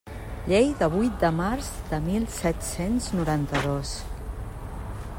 Llei de vuit de març de mil set-cents noranta-dos.